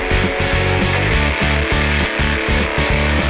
โจ๊กเกอร์โจ๊กเกอร์